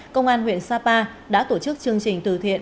công an huyện sapa đã tổ chức chương trình từ thiện